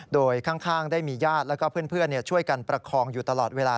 โดยข้างได้มีญาติแล้วก็เพื่อนช่วยกันประคองอยู่ตลอดเวลา